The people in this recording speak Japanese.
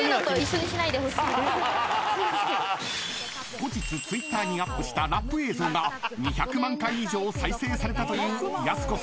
［後日Ｔｗｉｔｔｅｒにアップしたラップ映像が２００万回以上再生されたというやす子さんの所持金は？］